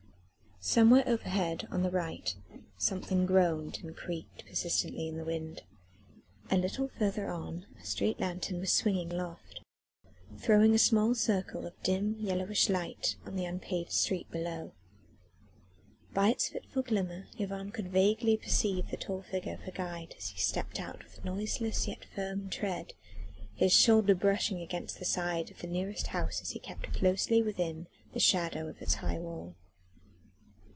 Somewhere overhead on the right, something groaned and creaked persistently in the wind. A little further on a street lanthorn was swinging aloft, throwing a small circle of dim, yellowish light on the unpaved street below. By its fitful glimmer Yvonne could vaguely perceive the tall figure of her guide as he stepped out with noiseless yet firm tread, his shoulder brushing against the side of the nearest house as he kept closely within the shadow of its high wall.